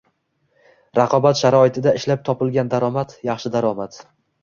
Raqobat sharoitida ishlab topilgan daromad – yaxshi daromad.